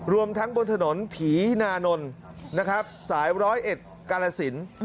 รวมทั้งบนถนนถีนานนสายร้อยเอ็ดการระสิน